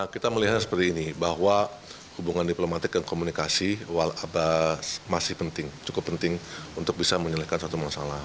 kita melihatnya seperti ini bahwa hubungan diplomatik dan komunikasi masih penting cukup penting untuk bisa menyelesaikan satu masalah